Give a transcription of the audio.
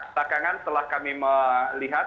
tak kangen setelah kami melihat